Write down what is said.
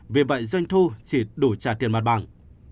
vì vậy doanh thu chỉ đủ trả tiền mặt bằng